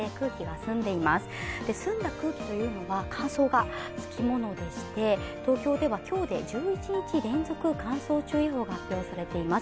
澄んだ空気というのは乾燥がつきものでして、東京では今日で１１日連続乾燥注意報が発表されています。